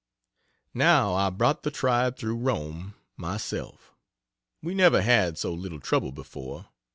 Now I brought the tribe through from Rome, myself. We never had so little trouble before.